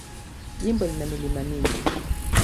Jimbo lina milima mingi.